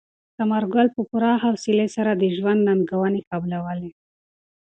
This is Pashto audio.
ثمر ګل په پوره حوصلې سره د ژوند ننګونې قبلولې.